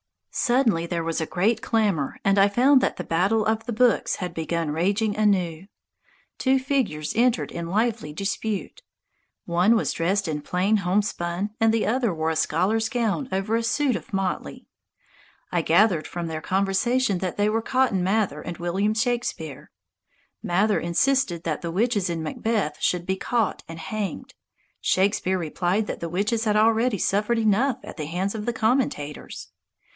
Suddenly there was a great clamour, and I found that "The Battle of the Books" had begun raging anew. Two figures entered in lively dispute. One was dressed in plain homespun and the other wore a scholar's gown over a suit of motley. I gathered from their conversation that they were Cotton Mather and William Shakspere. Mather insisted that the witches in "Macbeth" should be caught and hanged. Shakspere replied that the witches had already suffered enough at the hands of commentators.